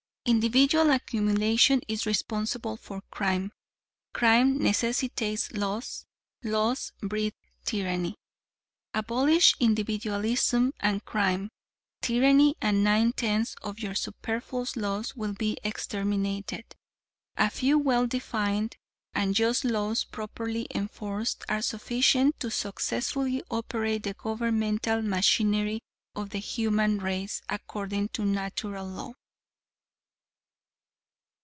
"Individual accumulation is responsible for crime; crime necessitates laws; laws breed tyranny. "Abolish individualism, and crime, tyranny and nine tenths of your superfluous laws will be exterminated. "A few well defined and just laws properly enforced are sufficient to successfully operate the governmental machinery of the human race according to Natural Law."